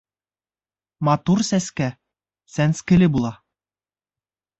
Матур сәскә сәнскеле була.